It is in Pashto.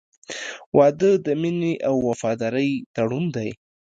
• واده د مینې او وفادارۍ تړون دی.